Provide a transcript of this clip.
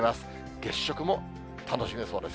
月食も楽しめそうです。